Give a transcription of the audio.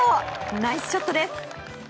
ナイスショットです。